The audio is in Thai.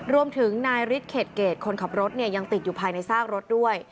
รวมถึงนายฤทธิเขตเกรดคนขับรถยังติดอยู่ภายในซากรถด้วย